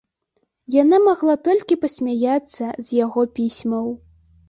Яна магла толькі пасмяяцца з яго пісьмаў.